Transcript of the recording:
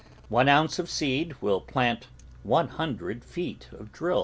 One ounce of seed will plant one hundred feet of drill.